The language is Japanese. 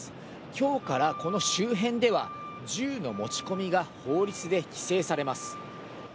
今日からこの周辺では銃の持ち込みが法律で規制されます。